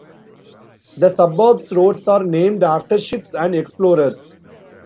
The suburb's roads are named after ships and explorers.